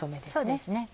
そうですね。